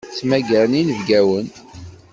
Ttmagaren inebgawen.